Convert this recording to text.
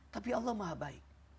tapi allah maha baik